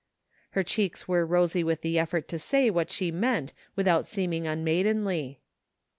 Her cheeks were rosy with the effort to say what she meant without seeming unmaidenly.